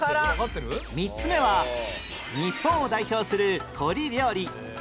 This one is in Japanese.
３つ目は日本を代表する鶏料理焼き鳥